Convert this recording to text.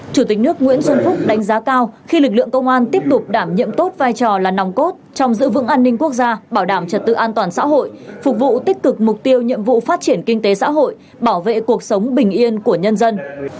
chủ tịch nước nguyễn xuân phúc đánh giá cao khi lực lượng công an tiếp tục đảm nhiệm tốt vai trò là nòng cốt trong giữ vững an ninh quốc gia bảo đảm trật tự an toàn xã hội phục vụ tích cực mục tiêu nhiệm vụ phát triển kinh tế xã hội bảo vệ cuộc sống bình yên của nhân dân